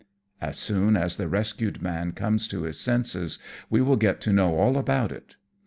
As soon as the 'rescued man comes to his senses, we will get to know all about it."